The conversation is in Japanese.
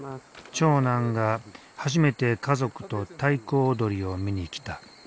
長男が初めて家族と太鼓踊りを見に来た。